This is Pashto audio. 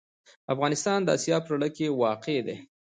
افغانستان د اسیا په زړه کې واقع دی.